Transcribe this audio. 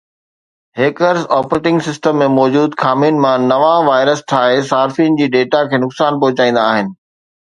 hackers operating system ۾ موجود خامين مان نوان وائرس ٺاهي صارفين جي ڊيٽا کي نقصان پهچائيندا آهن